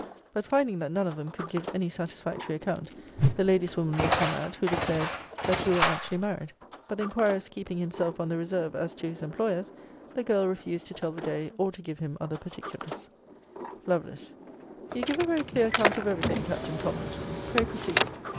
*] 'But finding that none of them could give any satisfactory account, the lady's woman was come at, who declared, that you were actually married. But the inquirist keeping himself on the reserve as to his employers, the girl refused to tell the day, or to give him other particulars.' * See Vol. IV. Letter L. Lovel. You give a very clear account of every thing, Captain Tomlinson. Pray proceed.